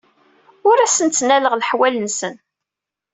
Ur asen-ttnaleɣ leḥwal-nsen.